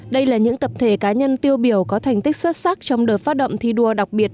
đây là những tập thể cá nhân tiêu biểu có thành tích xuất sắc trong đợt phát động thi đua đặc biệt